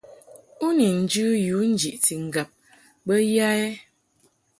U ni njɨ yu njiʼti ŋgab bə ya ɛ ?